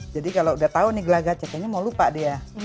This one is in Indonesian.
jadi kalau udah tahu nih gelagat kayaknya mau lupa dia